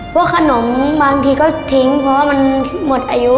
พวกขนมบางทีก็ทิ้งเพราะว่ามันหมดอายุ